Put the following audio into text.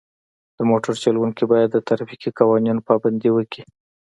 د موټر چلوونکي باید د ترافیکي قوانینو پابندي وکړي.